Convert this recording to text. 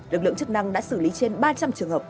lực lượng chức năng đã xử lý trên ba trăm linh trường hợp